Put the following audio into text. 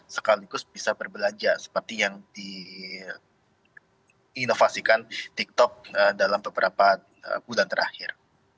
sekaligus bisa berbelanja seperti yang diinovasikan tiktok dalam beberapa bulan terakhir